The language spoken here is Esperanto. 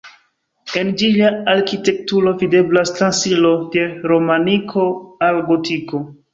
En ĝia arkitekturo videblas transiro de romaniko al gotiko.